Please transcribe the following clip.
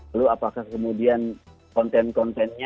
lalu apakah kemudian konten kontennya